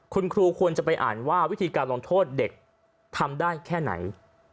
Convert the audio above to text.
คุณครูควรจะไปอ่านว่าวิธีการลงโทษเด็กทำได้แค่ไหน